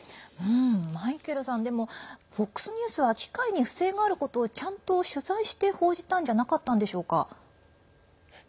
マイケルさんでも、ＦＯＸニュースは機械に不正があったということをきちんと報じて取材したんじゃなかったですか？